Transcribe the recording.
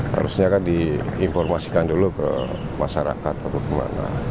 harusnya kan diinformasikan dulu ke masyarakat atau kemana